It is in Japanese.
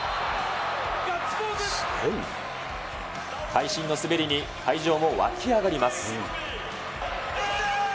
会心の滑りに、会場も沸き上がります。